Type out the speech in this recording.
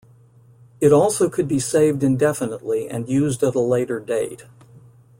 It also could be saved indefinitely and used at a later date.